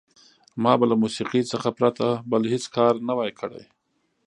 ما به له موسیقۍ څخه پرته بل هېڅ کار نه وای کړی.